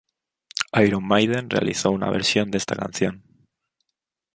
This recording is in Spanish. Iron Maiden realizó una versión de esta canción.